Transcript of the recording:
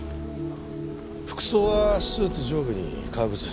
服装はスーツ上下に革靴。